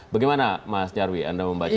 bagaimana mas jarwi anda membaca itu